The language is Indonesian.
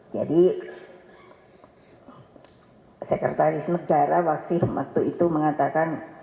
jadi sekretaris negara waktu itu mengatakan